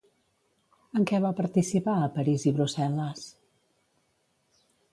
En què va participar a París i Brussel·les?